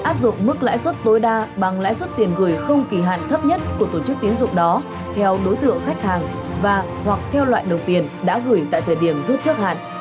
áp dụng mức lãi suất tối đa bằng lãi suất tiền gửi không kỳ hạn thấp nhất của tổ chức tiến dụng đó theo đối tượng khách hàng và hoặc theo loại đồng tiền đã gửi tại thời điểm rút trước hạn